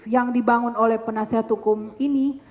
yang dibangun oleh penasihat hukum ini